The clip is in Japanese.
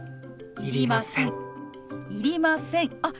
いりませんあっ